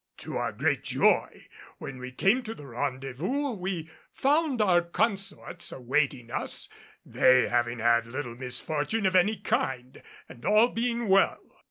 To our great joy, when we came to the rendezvous we found our consorts awaiting us, they having had little misfortune of any kind, and all being well.